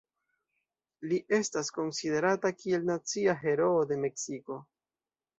Li estas konsiderata kiel nacia heroo de Meksiko.